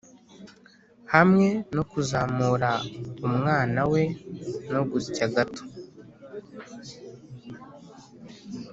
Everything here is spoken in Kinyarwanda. hamwe no kuzamura umunwa we no gusya gato,